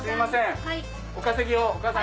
お稼ぎを！